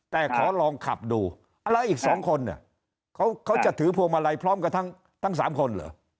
แค่ขอลองขับดูแล้วอีก๒คนเขาจะถือพวงอะไรพร้อมกับทั้ง๓คน